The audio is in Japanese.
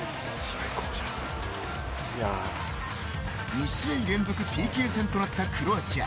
２試合連続ＰＫ戦となったクロアチア。